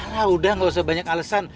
lah udah gak usah banyak alesan